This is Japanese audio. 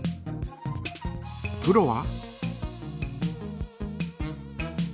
プロは？